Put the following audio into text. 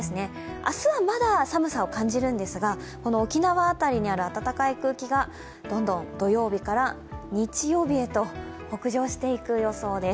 明日は、まだ寒さを感じるんですが沖縄辺りにある暖かい空気が土曜日から日曜日へと北上していく予想です。